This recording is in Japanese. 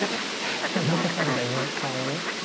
残された時間をね